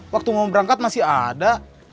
waktu mau berangkat masih ada